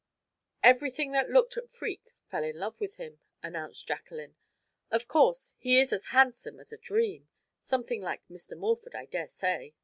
"Everything that looked at Freke fell in love with him," announced Jacqueline. "Of course, he is as handsome as a dream something like Mr. Morford, I dare say."